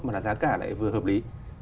mà là giá cả lại vừa hợp lý